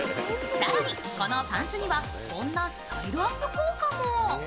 更に、このパンツにはこんなスタイルアップ効果も。